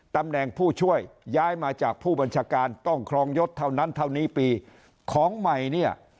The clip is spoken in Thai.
ตำแหน่งผู้ช่วยย้ายมาจากผู้บัญชาการต้องครองยศเท่านั้นเท่านี้ปีของใหม่เนี่ย